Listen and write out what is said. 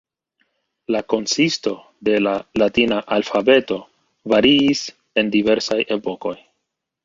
La konsisto de la latina alfabeto variis en diversaj epokoj.